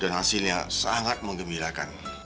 dan hasilnya sangat menggembirakan